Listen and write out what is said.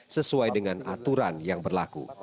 sesuai dengan aturan yang berlaku